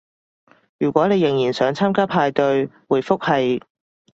如果你仍然想參與派對，回覆係